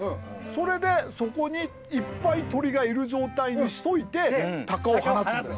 それでそこにいっぱい鳥がいる状態にしといてタカを放つんです。